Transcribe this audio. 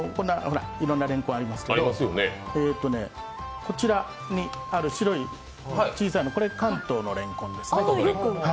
いろんなれんこんありますけど、こちらにある白い小さいのこれ，関東のれんこんですね。